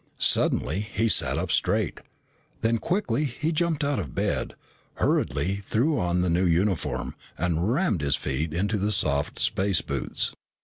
Suddenly he sat up straight. Then quickly he jumped out of bed, hurriedly threw on the new uniform, and rammed his feet into the soft space boots.